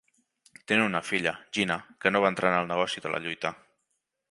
Tenen una filla, Gina, que no va entrar en el negoci de la lluita.